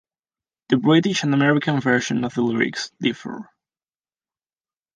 The British and American versions of the lyrics differ.